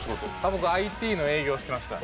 僕ＩＴの営業をしてました。